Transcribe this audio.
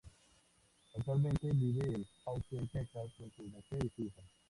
Actualmente vive en Austin, Texas con su mujer y su hija.